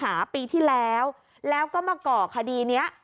หาปีที่แล้วแล้วก็มาก่อคดีนี้